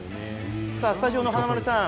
スタジオの華丸さん